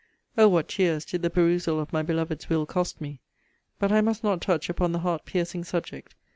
'Oh! what tears did the perusal of my beloved's will cost me! But I must not touch upon the heart piercing subject.